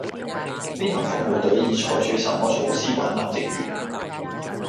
飛行服務隊已採取甚麼措施挽留職員